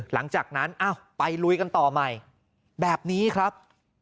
หลังจากนั้นไปลุยกันต่อใหม่แบบนี้ครับ